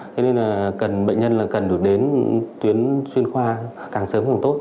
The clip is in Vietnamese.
thế nên là bệnh nhân là cần được đến tuyến chuyên khoa càng sớm càng tốt